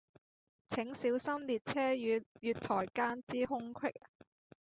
請小心列車與月台間之空隙